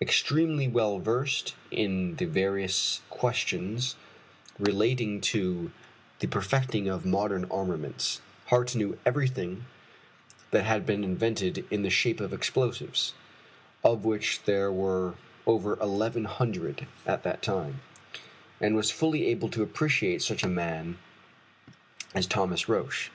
Extremely well versed in the various questions relating to the perfecting of modern armaments, Hart knew everything that had been invented in the shape of explosives, of which there were over eleven hundred at that time, and was fully able to appreciate such a man as Thomas Roch.